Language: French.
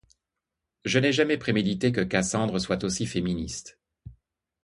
Je n’ai jamais prémédité que Cassandre soit aussi féministe.